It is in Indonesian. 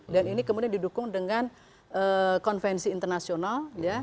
dan ini kemudian didukung dengan konvensi internasional